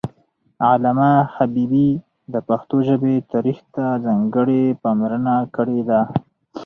علامه حبيبي د پښتو ژبې تاریخ ته ځانګړې پاملرنه کړې ده